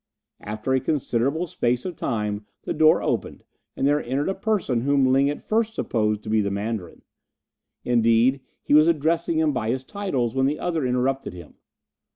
After a considerable space of time the door opened and there entered a person whom Ling at first supposed to be the Mandarin. Indeed, he was addressing him by his titles when the other interrupted him.